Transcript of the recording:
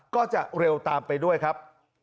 ก็จะเร็วตามไปด้วยครับ